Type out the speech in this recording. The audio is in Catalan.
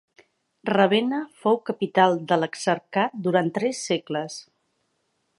Ravenna fou capital de l'exarcat durant tres segles.